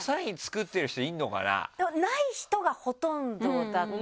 ない人がほとんどだったかな。